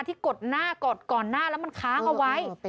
กดหน้ากดก่อนหน้าแล้วมันค้างเอาไว้